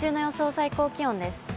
最高気温です。